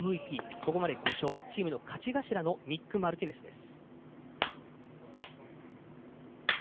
ここまで５勝チームの勝ち頭のニック・マルティネスです。